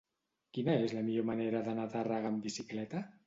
Quina és la millor manera d'anar a Tàrrega amb bicicleta?